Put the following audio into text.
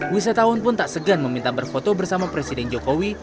wisatawan pun tak segan meminta berfoto bersama presiden jokowi